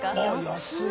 安い。